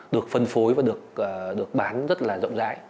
được phân phối và được bán rất là rộng rãi